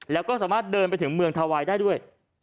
แล้วก็สามารถเดินไปถึงเมืองทาวายได้ด้วย